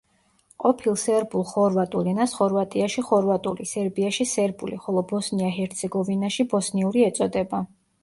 ყოფილ სერბულ-ხორვატულ ენას ხორვატიაში ხორვატული, სერბიაში სერბული, ხოლო ბოსნია-ჰერცეგოვინაში ბოსნიური ეწოდება.